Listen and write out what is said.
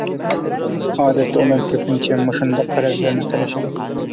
ئادەتتە ئۇلار كۆپىنچە مۇشۇنداق پەرەزلەرنى قىلىشىدۇ.